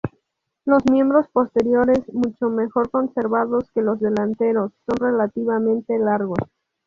Los miembros posteriores, mucho mejor conservados que los delanteros, son relativamente largos.